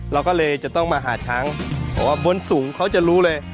เล่าค่ะเลยจะต้องมาหาชั้นกลบสูงเขาจะรู้เลย